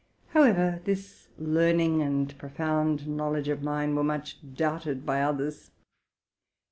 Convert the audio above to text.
How ever, this learning and profound knowledge of mine were much doubted by others.